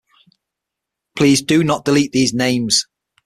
Please do not delete these names.